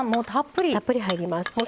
たっぷり入ります。